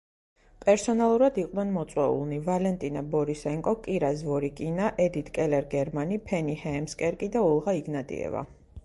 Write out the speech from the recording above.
პერსონალურად იყვნენ მოწვეულნი: ვალენტინა ბორისენკო, კირა ზვორიკინა, ედიტ კელერ-გერმანი, ფენი ჰეემსკერკი და ოლღა იგნატიევა.